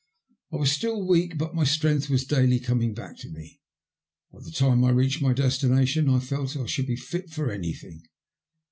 I was still weak, but my strength was daily coming back to me. By the time I reached my destination I felt I should be fit for anything.